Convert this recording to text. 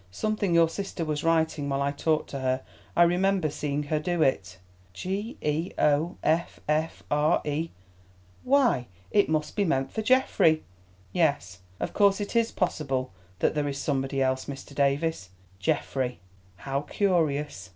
"Something your sister was writing while I talked to her. I remember seeing her do it." "G E O F F R E—why, it must be meant for Geoffrey. Yes, of course it is possible that there is somebody else, Mr. Davies. Geoffrey!—how curious!"